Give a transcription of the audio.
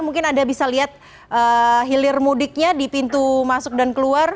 mungkin anda bisa lihat hilir mudiknya di pintu masuk dan keluar